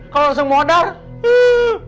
kalau langsung mau darah